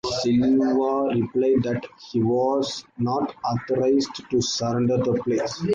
Silva replied that he was "not authorized to surrender the place".